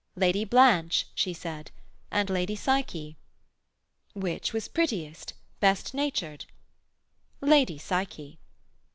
'Lady Blanche' she said, 'And Lady Psyche.' 'Which was prettiest, Best natured?' 'Lady Psyche.'